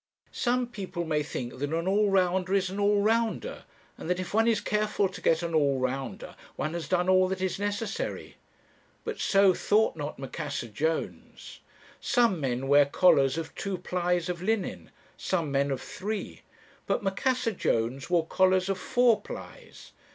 Some people may think that an all rounder is an all rounder, and that if one is careful to get an all rounder one has done all that is necessary. But so thought not Macassar Jones. Some men wear collars of two plies of linen, some men of three; but Macassar Jones wore collars of four plies.